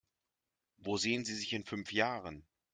Wo sehen Sie sich in fünf Jahren?